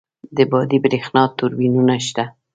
د بادی بریښنا توربینونه شته؟